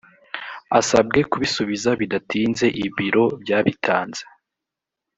asabwe kubisubiza bidatinze ibiro byabitanze